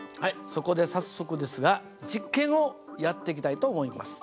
そこで早速ですが実験をやっていきたいと思います。